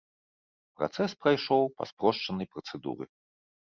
Працэс прайшоў па спрошчанай працэдуры.